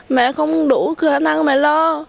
mẹ không đủ khả năng mà lo